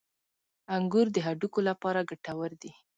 • انګور د هډوکو لپاره ګټور دي.